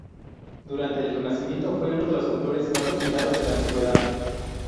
Durante el Renacimiento fue uno de los autores más admirados de la Antigüedad.